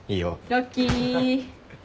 ラッキー。